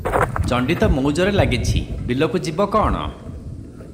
ଚଣ୍ଡି ତ ମୌଜରେ ଲାଗିଛି, ବିଲକୁ ଯିବ କଣ?